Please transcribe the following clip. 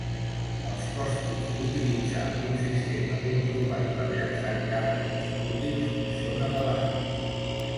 Els costos d'utilitzar un sistema ben provat per llançar càrregues útils són elevats.